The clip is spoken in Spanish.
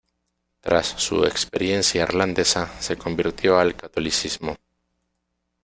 Tras su experiencia irlandesa se convirtió al catolicismo.